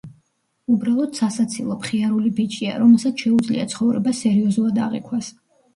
უბრალოდ სასაცილო, მხიარული ბიჭია, რომელსაც შეუძლია ცხოვრება სერიოზულად აღიქვას.